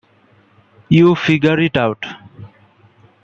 You figure it out.